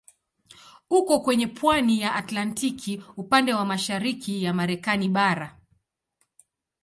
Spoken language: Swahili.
Uko kwenye pwani ya Atlantiki upande wa mashariki ya Marekani bara.